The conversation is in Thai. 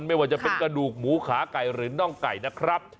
ไม่ว่าจะเป็นกระดูกหมูขาไก่หรือน่องไก่นะครับ